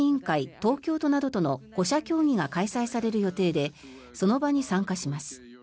東京都などとの５者協議が開催される予定でその場に参加します。